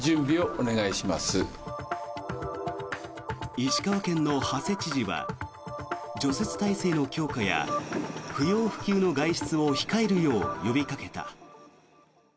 石川県の馳知事は除雪体制の強化や不要不急の外出を控えるよう呼びかけた。